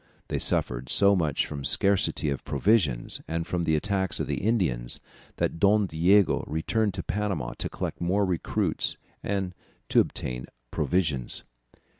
They suffered so much from scarcity of provisions and from the attacks of the Indians, that Don Diego returned to Panama to collect more recruits and to obtain provisions.